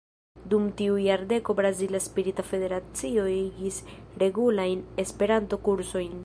Dum tiu jardeko Brazila Spirita Federacio igis regulajn Esperanto-kursojn.